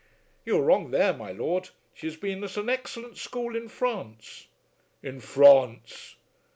"You are wrong there, my lord. She has been at an excellent school in France." "In France!